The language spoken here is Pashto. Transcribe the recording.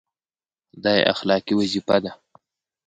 دا یې اخلاقي وظیفه ده.